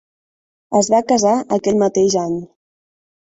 Es va casar aquell mateix any.